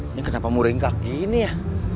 ini kenapa muringkak gini ya